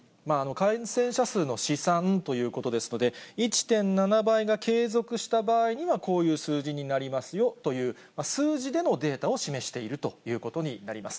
感染者数の試算ということですので、１．７倍が継続した場合にはこういう数字になりますよという、数字でのデータを示しているということになります。